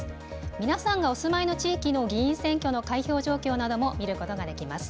皆さんがお住まいの地域の議員選挙の開票状況なども見ることができます。